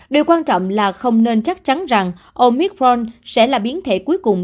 điều quan trọng là không nên chắc chắn rằng omicron sẽ là biến thể cuối cùng